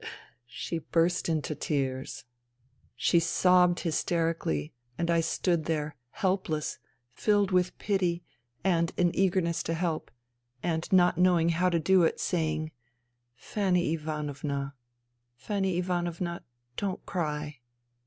..." She burst into tears. She sobbed hysterically, and I stood there, help less, filled with pity and an eagerness to help, and not knowing how to do it — saying :" Fanny Ivanovna ... Fanny Ivanovna ... don't cry.